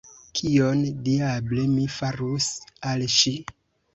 Kion, diable, mi farus al ŝi?